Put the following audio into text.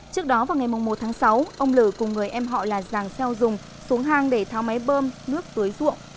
trước đó vào ngày một tháng sáu ông lử cùng người em họ là giàng xeo dùng xuống hang để tháo máy bơm nước tưới ruộng